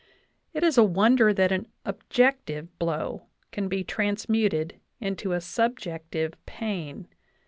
It is a wonder that an objective blow can be transmuted into a subjective pain.